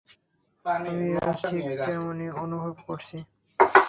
আমি আজ ঠিক এমনি অনুভব করছি।